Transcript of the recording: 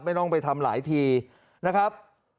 ไม่ต้องไปทำหลายทีนะครับ